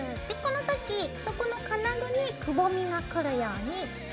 でこの時そこの金具にくぼみがくるように。